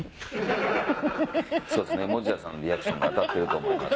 持田さんのリアクションが当たってると思います。